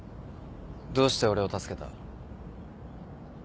どうして俺を助けた？